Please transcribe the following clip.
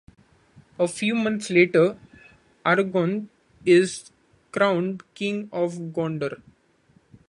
A few months later, Aragorn is crowned King of Gondor.